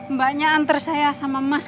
mbaknya antar saya sama mas